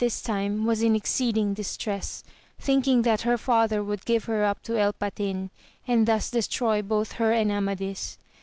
1 2 AMADIS OF GAUL time was in exceeding distress, thinking that her father would give her up to El Patin, and thus destroy both her and Amadis.